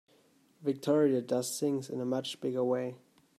Victoria does things in a much bigger way.